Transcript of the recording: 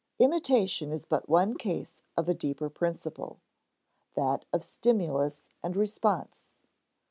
Imitation is but one case of a deeper principle that of stimulus and response.